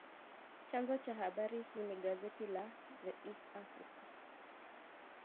Chanzo cha habari hii ni gazeti la “The East African”